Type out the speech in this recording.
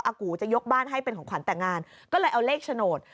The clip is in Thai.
กูจะยกบ้านให้เป็นของขวัญแต่งงานก็เลยเอาเลขโฉนด